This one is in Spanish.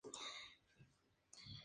Él es tercero de seis hijos.